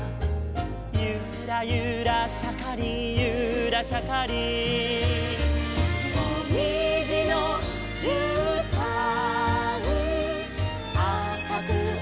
「ゆらゆらしゃかりんゆらしゃかりん」「もみじのじゅうたんあかくおやまをそめて」